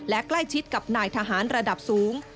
และใกล้ชิดกับนายทหารระดับสูง